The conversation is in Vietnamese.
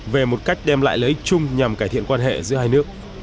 về một cách đem lại lợi ích chung nhằm cải thiện quan hệ giữa hai nước